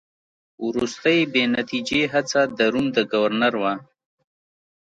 وروستۍ بې نتیجې هڅه د روم د ګورنر وه.